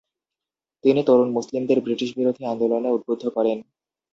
তিনি তরুণ মুসলিমদের ব্রিটিশবিরোধী আন্দোলনে উদ্বুদ্ধ করেন।